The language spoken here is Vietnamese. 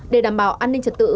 để đảm bảo an ninh trật tự